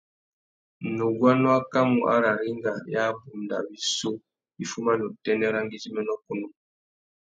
Nuguá nu akamú ararringa ya abunda wissú i fuma nà utênê râ ngüidjiménô kunú.